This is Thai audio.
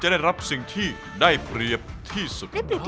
ได้รับสิ่งที่ได้เปรียบที่สุด